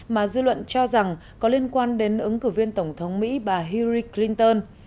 mà dư luận cho rằng có liên quan đến ứng cử viên tổng thống mỹ bà hiri clinton